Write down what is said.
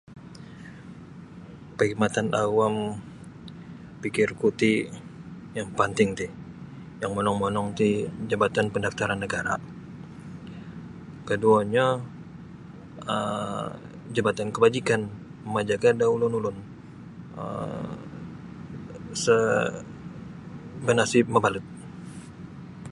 Perkhidmatan awam fikirku ti yang panting ti yang monong-monong ti Jabatan Pendaftaran Negara' koduonyo um Jabatan Kebajikan mamajaga' da ulun-ulun um sa' banasib mabalut.